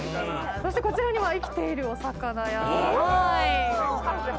そしてこちらには生きているお魚や。